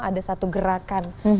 ada satu gerakan